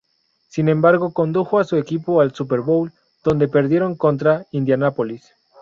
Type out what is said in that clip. Sin embargo, condujo a su equipo al Super Bowl, donde perdieron contra Indianápolis.